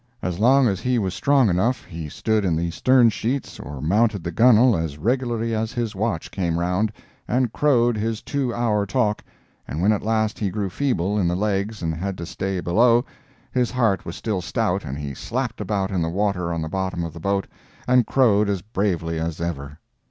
As long as he was strong enough he stood in the stern sheets or mounted the gunwale as regularly as his watch came round, and crowed his two hour talk, and when at last he grew feeble in the legs and had to stay below, his heart was still stout and he slapped about in the water on the bottom of the boat and crowed as bravely as ever!